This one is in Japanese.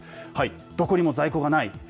どこにも在庫がない。